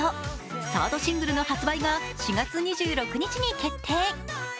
サードシングルの発売が４月２６日に決定。